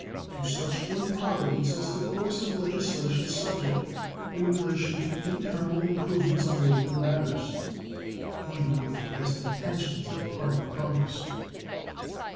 To such improvidence is the course of legislation subject in relation to internal improvements on local matters, even with the best intentions on the part of Congress.